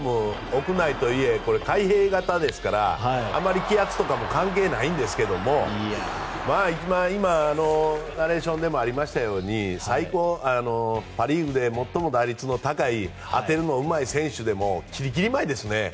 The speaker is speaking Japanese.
屋内とはいえこれ、開閉型ですからあまり気圧とかも関係ないんですけども今ナレーションでもありましたようにパ・リーグで最も打率の高い当てるのがうまい選手でもきりきり舞いですね。